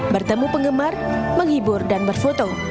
bertemu penggemar menghibur dan berfoto